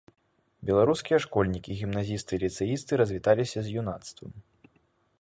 Беларускія школьнікі, гімназісты і ліцэісты развіталіся з юнацтвам.